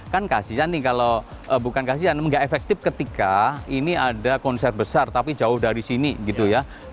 kan kasihan nih kalau bukan kasian nggak efektif ketika ini ada konser besar tapi jauh dari sini gitu ya